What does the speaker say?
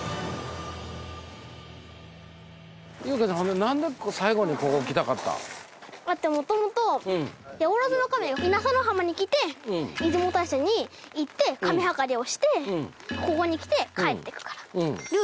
裕加ちゃんほんでだって元々やおろずの神稲佐の浜に来て出雲大社に行って神議りをしてここに来て帰っていくから。